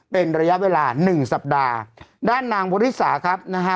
เป็นระยะเวลาหนึ่งสัปดาห์ด้านนางบริสาครับนะฮะ